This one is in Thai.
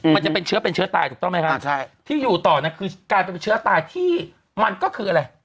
มันจะเป็นเชื้อเป็นเชื้อตายถูกต้องไหมครับที่อยู่ต่อเนี่ยคือกลายเป็นเชื้อตายที่มันก็คืออะไร